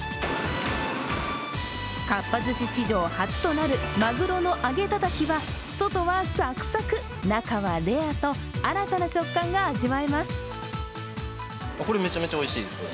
かっぱ寿司史上初となるまぐろの揚げたたきは外はサクサク、中はレアと新たな食感が味わえます。